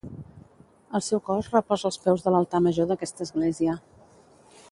El seu cos reposa als peus de l'altar major d'aquesta església.